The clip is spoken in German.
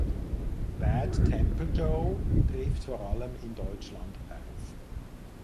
Bad Temper Joe tritt vor allem in Deutschland auf.